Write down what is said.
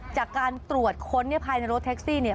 จากการตรวจคนในรถแท็กซี่นี่